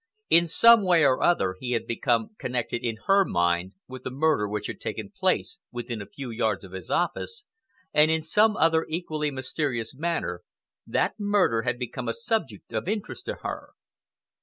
In some way or other he had become connected in her mind with the murder which had taken place within a few yards of his office, and in some other equally mysterious manner that murder had become a subject of interest to her.